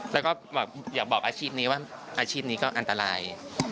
แล้วก็อยากบอกอาชีพนี้ว่าอาชีพนี้ก็อันตราย